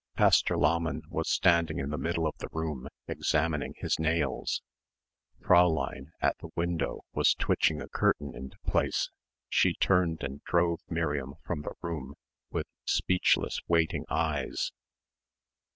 Pastor Lahmann was standing in the middle of the room examining his nails. Fräulein, at the window, was twitching a curtain into place. She turned and drove Miriam from the room with speechless waiting eyes.